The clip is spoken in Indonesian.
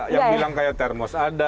yang bilang kayak termos ada